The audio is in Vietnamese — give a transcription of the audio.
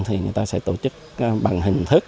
thì người ta sẽ tổ chức bằng hình thức